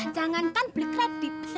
jangankan beli kredit